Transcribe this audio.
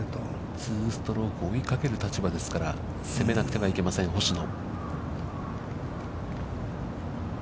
２ストローク、追いかける立場ですから、攻めなくてはいけません、星野。